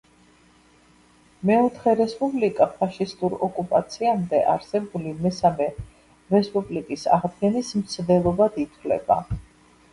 მეოთხე რესპუბლიკა ფაშისტურ ოკუპაციამდე არსებული მესამე რესპუბლიკის აღდგენის მცდელობად ითვლება.